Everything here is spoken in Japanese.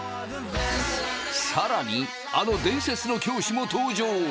更にあの伝説の教師も登場！